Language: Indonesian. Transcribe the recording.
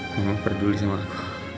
mama peduli sama aku